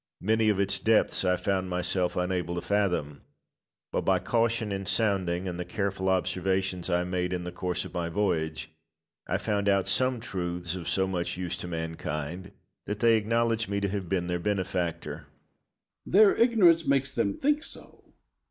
Many of its depths I found myself unable to fathom; but by caution in sounding, and the careful observations I made in the course of my voyage, I found out some truths of so much use to mankind that they acknowledge me to have been their benefactor. Bayle. Their ignorance makes them think so.